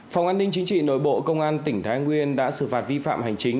phòng an ninh chính trị nội bộ công an tỉnh thái nguyên đã xử phạt vi phạm hành chính